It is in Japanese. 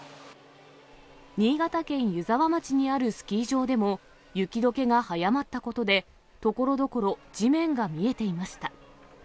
新潟県湯沢町にあるスキー場でも、雪どけが早まったことで、ところどころ地面が見えていました。